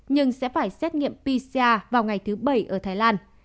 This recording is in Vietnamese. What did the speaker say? nhưng sẽ phải xét nghiệm pcr vào ngày thứ bảy ở thái lan